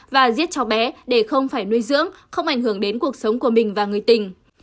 và giết cháu bé để không phải nuôi dưỡng không ảnh hưởng đến cuộc sống của mình và người tình